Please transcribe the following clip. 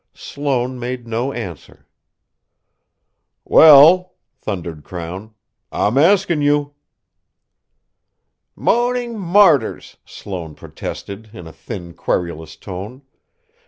Sloane made no answer. "Well," thundered Crown. "I'm asking you!" "Moaning martyrs!" Sloane protested in a thin, querulous tone.